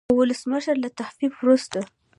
او ولسمشر له تحلیف وروسته